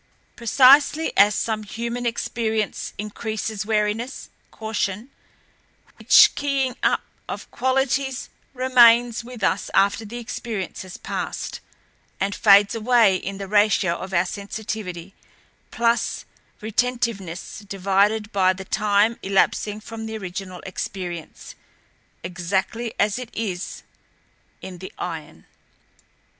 Precisely as some human experience increases wariness, caution, which keying up of qualities remains with us after the experience has passed, and fades away in the ratio of our sensitivity plus retentiveness divided by the time elapsing from the original experience exactly as it is in the iron."